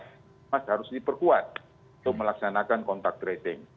emas harus diperkuat untuk melaksanakan kontak tracing